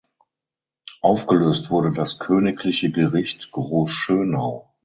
Aufgelöst wurde das Königliche Gericht Großschönau.